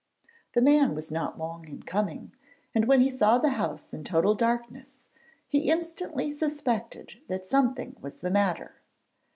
The man was not long in coming, and when he saw the house in total darkness he instantly suspected that something was the matter.